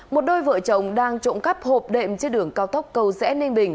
một đôi vợ chồng đang trộm cắp hộp đệm trên đường cao tốc cầu rẽ ninh bình